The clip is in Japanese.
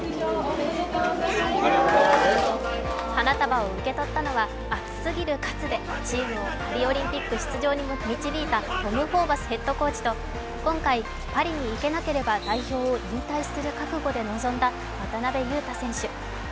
花束を受け取ったのは熱すぎる喝でチームをパリオリンピック出場に導いたトム・ホーバスヘッドコーチと今回パリに行けなければ代表を引退する覚悟で臨んだ渡邊雄太選手。